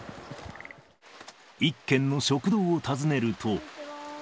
一軒の食堂を訪ねると。